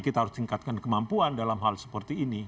kita harus tingkatkan kemampuan dalam hal seperti ini